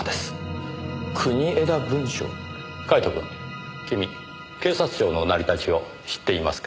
カイトくん君警察庁の成り立ちを知っていますか？